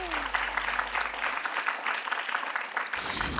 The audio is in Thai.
ปิ๊บครับ